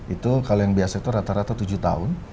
itu kalau yang biasa itu rata rata tujuh tahun